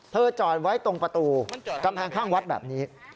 จอดไว้ตรงประตูกำแพงข้างวัดแบบนี้